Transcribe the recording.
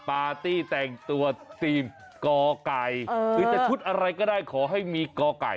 ปาร์ตี้แต่งตัวทีมกไก่หรือจะชุดอะไรก็ได้ขอให้มีก่อไก่